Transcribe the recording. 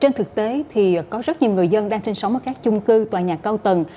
trên thực tế thì có rất nhiều người dân đang sinh sống ở các chung cư tòa nhà cao tầng